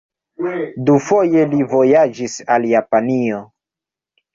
Dufoje li vojaĝis al Japanio.